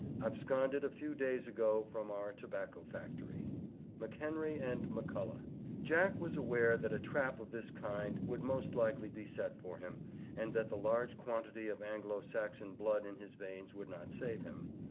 Absconded a few days ago from our Tobacco Factory. McHENRY & MCCULLOCH. ju 16 3t. Jack was aware that a trap of this kind would most likely be set for him, and that the large quantity of Anglo Saxon blood in his veins would not save him.